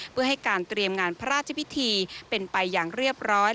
เพื่อให้การเตรียมงานพระราชพิธีเป็นไปอย่างเรียบร้อย